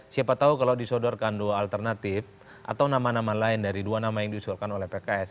siapa tahu kalau disodorkan dua alternatif atau nama nama lain dari dua nama yang diusulkan oleh pks